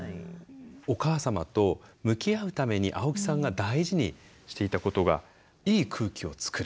お母様と向き合うために青木さんが大事にしていたことがいい空気を作る。